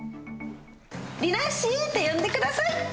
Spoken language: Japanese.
りなっしーって呼んでください！